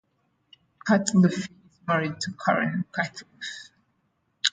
Cutcliffe is married to Karen Cutcliffe.